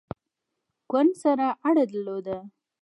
ګوند سره اړه درلوده.